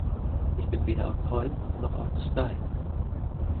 Ich bin weder aus Holz noch aus Stein.